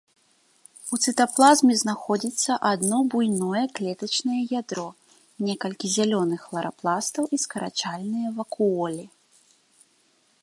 У цытаплазме знаходзіцца адно буйное клетачнае ядро, некалькі зялёных хларапластаў і скарачальныя вакуолі.